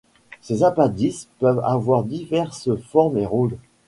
Ces appendices peuvent avoir diverses formes et rôles.